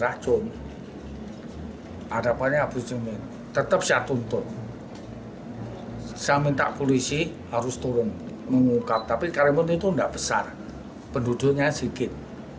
harus turun mengungkap tapi karimun itu tidak besar penduduknya sedikit